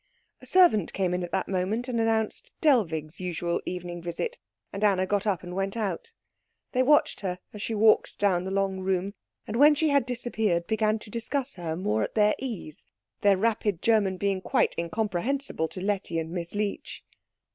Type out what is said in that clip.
A servant came in at that moment and announced Dellwig's usual evening visit, and Anna got up and went out. They watched her as she walked down the long room, and when she had disappeared began to discuss her more at their ease, their rapid German being quite incomprehensible to Letty and Miss Leech.